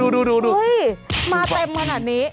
โอ้โหดูอุ้ยมาเต็มขนาดนี้